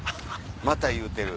また言うてる。